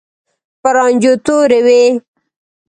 په رانجو تورې وې.